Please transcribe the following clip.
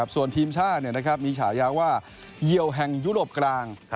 ส่วนทีมชาติเนี่ยนะครับมีฉายาว่าเยียวแห่งยุโรปกลาง